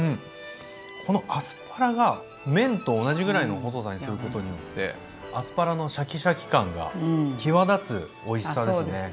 このアスパラが麺と同じぐらいの細さにすることによってアスパラのシャキシャキ感が際立つおいしさですね。